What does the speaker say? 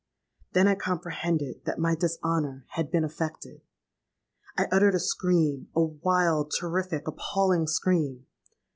Then I comprehended that my dishonour had been effected! I uttered a scream—a wild, terrific, appalling scream!